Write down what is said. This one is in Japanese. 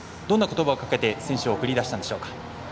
どんなことばをかけて選手を送り出したんでしょうか。